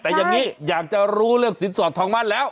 แต่อย่างนี้อยากจะรู้เรื่องสินสอดทองมั่นแล้ว